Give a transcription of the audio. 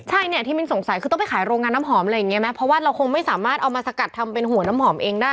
ใช่เนี่ยที่มินสงสัยคือต้องไปขายโรงงานน้ำหอมอะไรอย่างเงี้ไหมเพราะว่าเราคงไม่สามารถเอามาสกัดทำเป็นหัวน้ำหอมเองได้